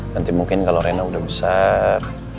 nanti mungkin kalau rena udah besar